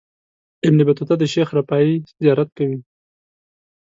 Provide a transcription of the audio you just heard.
ابن بطوطه د شیخ رفاعي زیارت کوي.